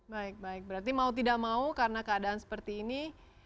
baik baik berarti mau tidak mau karena keadaan seperti ini